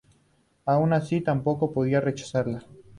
Aun así, tampoco podía rechazarla.